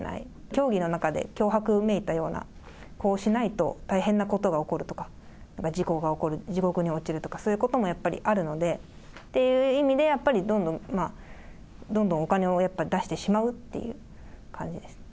教義の中で、脅迫めいたような、こうしないと大変なことが起こるとか、事故が起こる、地獄に落ちるとか、そういうこともやっぱりあるので、っていう意味でどんどん、どんどんお金をやっぱ出してしまうっていう感じです。